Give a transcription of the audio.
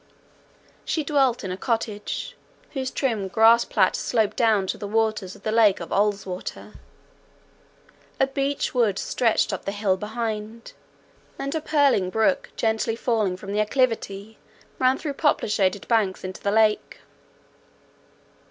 She dwelt in a cottage whose trim grass plat sloped down to the waters of the lake of Ulswater; a beech wood stretched up the hill behind, and a purling brook gently falling from the acclivity ran through poplar shaded banks into the lake.